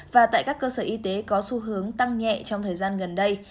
và tại các cơ sở y tế có xu hướng tăng nhẹ trong thời gian gần đây